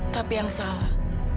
tapi yang salah